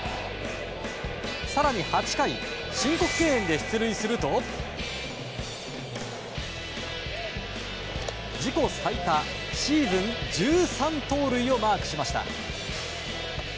更に８回申告敬遠で出塁すると自己最多シーズン１３盗塁をマークしました。